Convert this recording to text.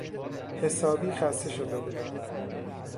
حسابی خسته شده بودم.